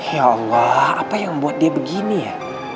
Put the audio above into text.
ya allah apa yang membuat dia begini ya